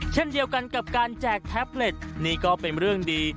เช่นเดียวกันกับการแจกแท็บเล็ตนี่ก็เป็นเรื่องดี